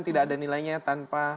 tidak ada nilainya tanpa